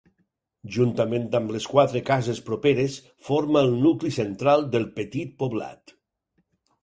Juntament amb les quatre cases properes, forma el nucli central del petit poblat.